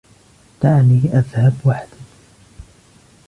دعني أذهب وحدي.